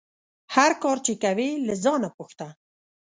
هر کار چې کوې له ځانه پوښته